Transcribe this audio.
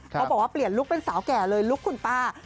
เขาบอกว่าเปลี่ยนลุคเป็นสาวแก่เลยลุคคุณป้า